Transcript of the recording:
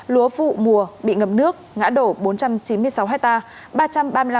lúa vụ mùa bị ngập nước ngã đổ bốn trăm chín mươi sáu hectare